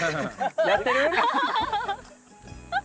やってる？